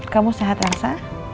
kamu sehat elsa